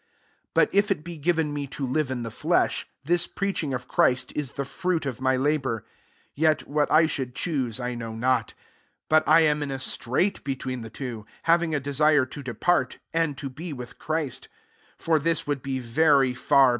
* 22 But if it be given me td live in the flesh, this preach '^S <2/" Christ ia the fruit of my labour : yet what I should choose I know* not : 23 but I ^m in a strait Between the two, having a desire to depart, and fo be with Christ; ^or^ this ivould be very far.